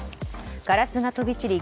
ガラスが飛び散り